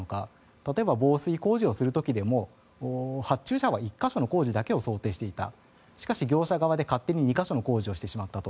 例えば防水工事を行う時も発注者は１か所の工事を想定していたしかし、業者側で勝手に２か所の工事をしてしまったと。